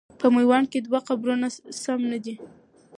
په میوند کې دوه قبرونه سم نه دي.